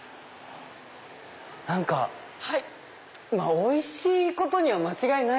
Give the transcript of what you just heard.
何かまぁおいしいことには間違いない。